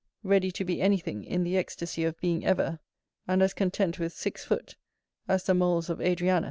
Ready to be anything, in the ecstasy of being ever, and as content with six foot as the moles of Adrianus.